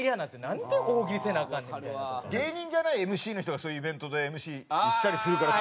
芸人じゃないＭＣの人がそういうイベントでＭＣしたりするから。